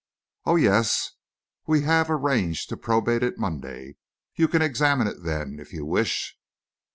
"Oh, yes; we have arranged to probate it Monday. You can examine it then, if you wish."